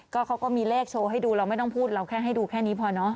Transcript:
ก็เขาก็มีเลขโชว์ให้ดูเราไม่ต้องพูดเราแค่ให้ดูแค่นี้พอเนอะ